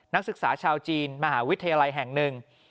นักศึกษาชาวจีนมหาวิทยาลัยแห่งหนึ่ง